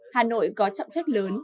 hà nội có trọng trách lớn